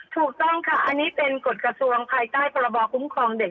ถูกต้องค่ะอันนี้เป็นกฎกระทรวงภายใต้พรบคุ้มครองเด็ก